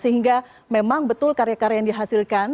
sehingga memang betul karya karya yang dihasilkan